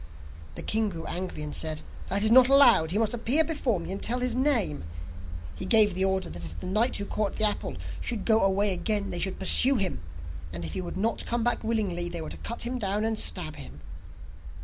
The king grew angry, and said: 'That is not allowed; he must appear before me and tell his name.' He gave the order that if the knight who caught the apple, should go away again they should pursue him, and if he would not come back willingly, they were to cut him down and stab him.